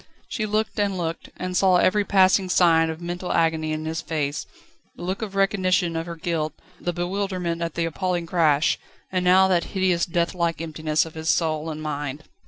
She looked and looked: and saw every passing sign of mental agony on his face: the look of recognition of her guilt, the bewilderment at the appalling crash, and now that hideous deathlike emptiness of his soul and mind.